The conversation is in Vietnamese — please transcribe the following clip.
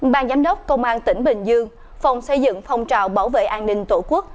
ban giám đốc công an tỉnh bình dương phòng xây dựng phong trào bảo vệ an ninh tổ quốc